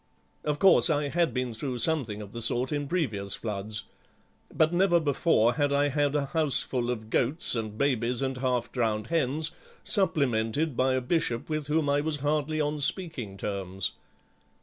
Of course, I had been through something of the sort in previous floods, but never before had I had a houseful of goats and babies and half drowned hens, supplemented by a Bishop with whom I was hardly on speaking terms."